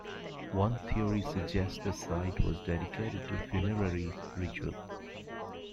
One theory suggests the site was dedicated to funerary ritual.